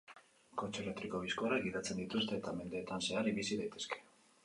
Kotxe elektriko bizkorrak gidatzen dituzte, eta mendeetan zehar bizi daitezke.